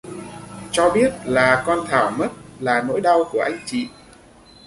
Cho biết là con Thảo mất là nỗi đau của anh chị